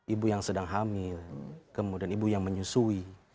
ibu yang sedang hamil kemudian ibu yang menyusui